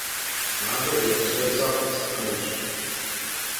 Název je převzat z ang.